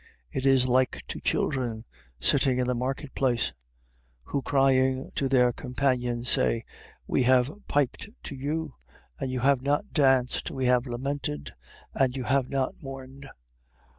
It is like to children sitting in the market place. 11:17. Who crying to their companions say: We have piped to you, and you have not danced: we have lamented, and you have not mourned.